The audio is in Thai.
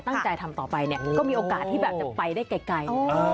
ตั้งใจทำต่อไปเนี่ยก็มีโอกาสที่แบบจะไปได้ไกล